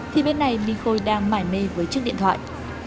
thì bên này minh khôi đang mải mê với chiếc điện thoại